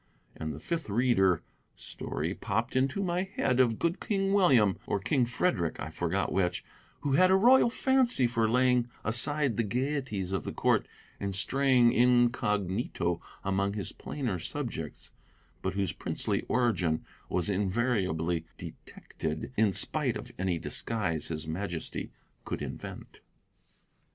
And the Fifth Reader story popped into my head of good King William (or King Frederick, I forgot which), who had a royal fancy for laying aside the gayeties of the court and straying incognito among his plainer subjects, but whose princely origin was invariably detected in spite of any disguise his Majesty could invent.